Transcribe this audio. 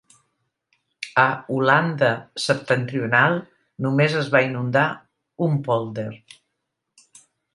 A Holanda Septentrional només es va inundar un pòlder.